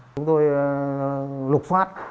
chúng tôi lục phát